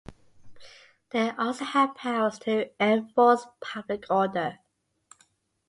They also had powers to enforce public order.